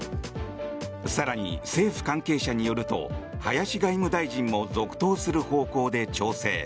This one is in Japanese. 更に、政府関係者によると林外務大臣も続投する方向で調整。